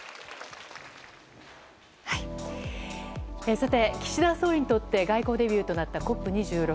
さて、岸田総理にとって外交デビューとなったＣＯＰ２６。